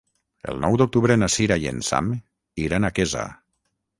El nou d'octubre na Sira i en Sam iran a Quesa.